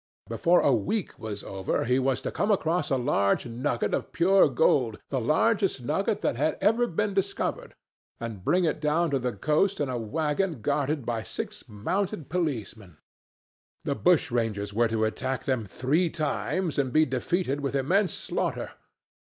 Before a week was over he was to come across a large nugget of pure gold, the largest nugget that had ever been discovered, and bring it down to the coast in a waggon guarded by six mounted policemen. The bushrangers were to attack them three times, and be defeated with immense slaughter.